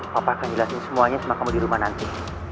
papa akan jelasin semuanya sama kamu di rumah nanti